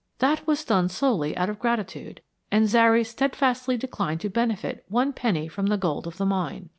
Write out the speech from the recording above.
That was done solely out of gratitude, and Zary steadfastly declined to benefit one penny from the gold of the mine.